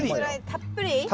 たっぷり。